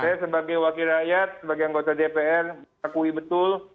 saya sebagai wakil rakyat sebagai anggota dpr akui betul